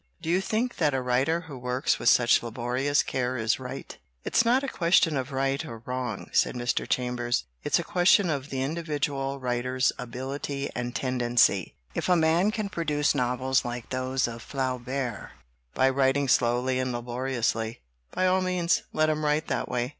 "Do you think that a writer who works with such laborious care is right?" "It's not a question of right or wrong," said Mr. Chambers, "it's a question of the individual writer's ability and tendency. If a man can pro duce novels like those of Flaubert, by writing slowly and laboriously, by all means let him write that way.